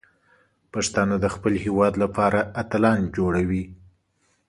پښتانه د خپل هیواد لپاره اتلان جوړوي.